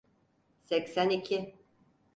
Seksen iki.